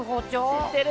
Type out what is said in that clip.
知ってる。